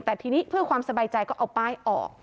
แต่ทีนี้เพื่อความสบายใจก็เอาป้ายออก